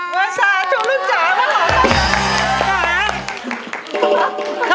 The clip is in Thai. เมื่อสาทุกลูกจ๋าขอบคุณค่ะ